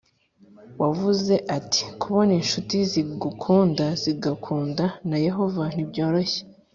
Wavuze ati kubona incuti zigukunda zigakunda na yehova ntibyoroshye